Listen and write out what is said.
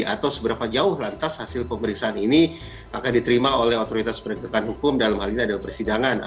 atau seberapa jauh lantas hasil pemeriksaan ini akan diterima oleh otoritas penegakan hukum dalam hal ini adalah persidangan